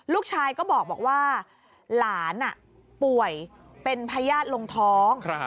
ลูกชายก็บอกว่าหลานป่วยเป็นพญาติลงท้อง